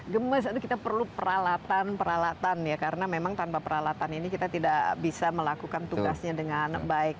gemes itu kita perlu peralatan peralatan ya karena memang tanpa peralatan ini kita tidak bisa melakukan tugasnya dengan baik